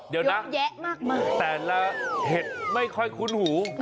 เดี๋ยวนะแต่ละเห็ดไม่ค่อยคุ้นหู